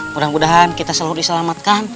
mudah mudahan kita selalu diselamatkan